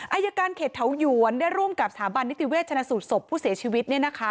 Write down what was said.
อายการเขตเถาหยวนได้ร่วมกับสถาบันนิติเวชชนะสูตรศพผู้เสียชีวิต